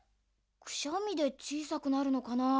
くしゃみでちいさくなるのかなあ？